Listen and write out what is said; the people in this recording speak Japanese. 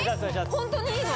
ホントにいいの？